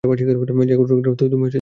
যাই ঘটুক না কেন, তুমি সামনে আসবে না।